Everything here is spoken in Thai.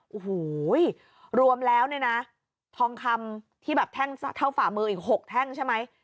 โอ้โหรวมแล้วเนี่ยนะทองคำที่แบบแท่งเท่าฝ่ามืออีก๖แท่งใช่ไหม